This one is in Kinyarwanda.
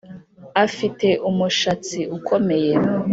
Afite umushatsi ukomeye